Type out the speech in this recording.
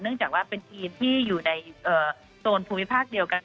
จากว่าเป็นทีมที่อยู่ในโซนภูมิภาคเดียวกัน